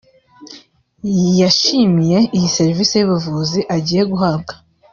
yashimye iyo serivisi y’ubuvuzi agiye guhabwa